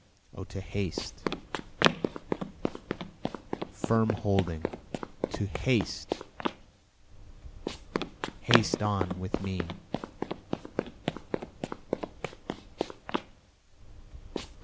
O to haste firm holding to haste, haste on with me.